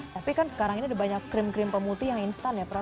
tapi kan sekarang ini ada banyak krim krim pemutih yang instan ya prof